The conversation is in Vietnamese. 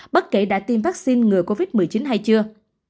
bất kể đã tiêm vaccine ngừa covid một mươi chín hay chưa